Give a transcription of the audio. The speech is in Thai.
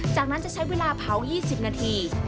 จากนั้นจะใช้เวลาเผา๒๐นาที